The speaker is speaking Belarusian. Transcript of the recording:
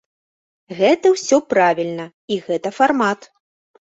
Гэта ўсё правільна, і гэта фармат.